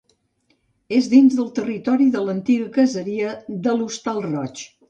És dins del territori de l'antiga caseria de l'Hostal Roig.